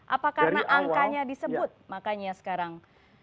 apa karena angkanya disebut makanya sekarang